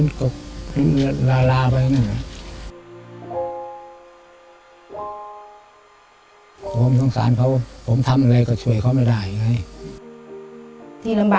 น้องสาวตอนนี้อายุเขา๔๕